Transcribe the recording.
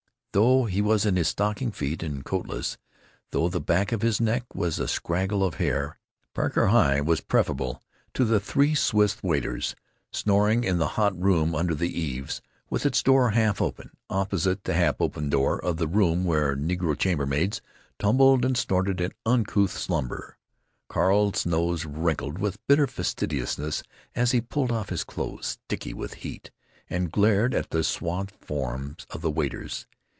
Though he was in his stocking feet and coat less, though the back of his neck was a scraggle of hair, Parker Heye was preferable to the three Swiss waiters snoring in the hot room under the eaves, with its door half open, opposite the half open door of the room where negro chambermaids tumbled and snorted in uncouth slumber. Carl's nose wrinkled with bitter fastidiousness as he pulled off his clothes, sticky with heat, and glared at the swathed forms of the waiters.